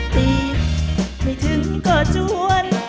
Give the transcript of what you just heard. ตีไม่ถึงก็จวน